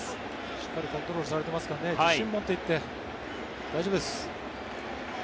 しっかりコントロールされてますから自信を持って行って大丈夫です。